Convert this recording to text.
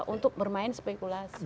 mereka untuk bermain spekulasi